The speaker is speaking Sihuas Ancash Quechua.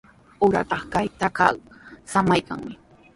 Uratraw kaq trakraaqa samaykanmi.